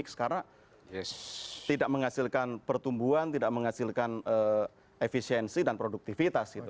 karena tidak menghasilkan pertumbuhan tidak menghasilkan efisiensi dan produktivitas